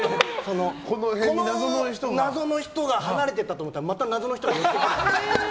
この謎の人が離れていったと思ったらまた謎の人が寄ってくる。